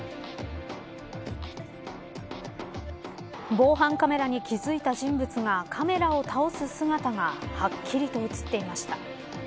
防犯カメラに気付いた人物がカメラを倒す姿がはっきりと映っていました。